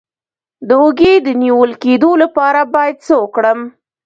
د اوږې د نیول کیدو لپاره باید څه وکړم؟